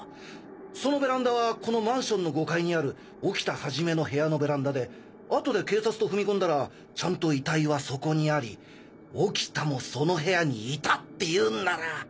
そのベランダはこのマンションの５階にある沖田一の部屋のベランダで後で警察と踏み込んだらちゃんと遺体はそこにあり沖田もその部屋にいたっていうんなら。